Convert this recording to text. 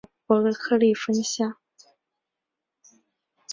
他是在加州大学伯克利分校的终身教授。